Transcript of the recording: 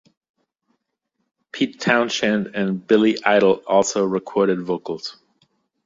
Pete Townshend and Billy Idol also recorded vocals.